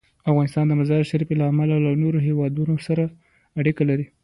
افغانستان د مزارشریف له امله له نورو هېوادونو سره اړیکې لري.